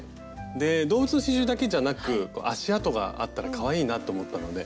で動物の刺しゅうだけじゃなく足あとがあったらかわいいなと思ったので。